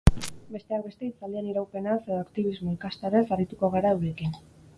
Besteak beste hitzaldien iraupenaz edo aktibismo ikastaroez arituko gara eurekin.